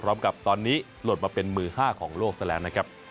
พร้อมกับตอนนี้ลดมาเป็นมือ๕ของโลกแสดงนะครับ